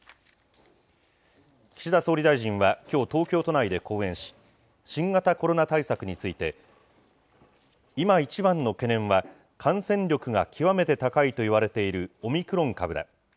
岸田総理大臣はきょう、東京都内で講演し、新型コロナ対策について、今一番の懸念は、感染力が極めて高いといわれているオミクロン株だ。